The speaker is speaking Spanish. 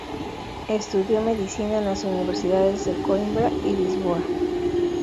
Estudió medicina en las Universidades de Coimbra y Lisboa.